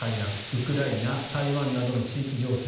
ウクライナ、台湾などの地域情勢